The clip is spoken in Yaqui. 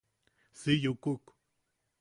Si yukuk.